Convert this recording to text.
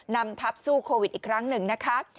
นำทัพสู้โควิดอีกครั้งหนึ่งนะคะ